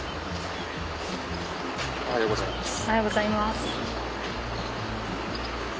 おはようございます。